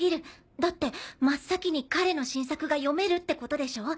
だって真っ先に彼の新作が読めるってことでしょ？